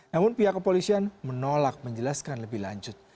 namun pihak kepolisian menolak menjelaskan lebih lanjut